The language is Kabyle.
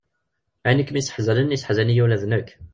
Ayen i kem-yesseḥzanen, yesseḥzan-iyi ula d nekk.